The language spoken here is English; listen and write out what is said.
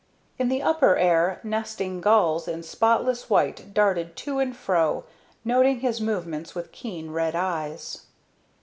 In the upper air, nesting gulls in spotless white darted to and fro, noting his movements with keen, red eyes.